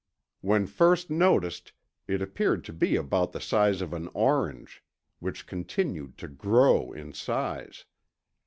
When first noticed, it appeared to be about the size of an orange, which continued to grow in size.